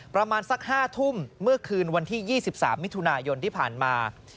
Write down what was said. ประมาณสัก๕ทุ่มเมื่อคืนวันที่๒๓มิถุนายนที่ผ่านมา